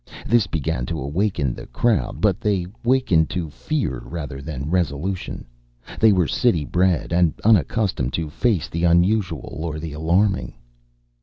This began to awaken the crowd, but they wakened to fear rather than resolution. They were city bred, and unaccustomed to face the unusual or the alarming.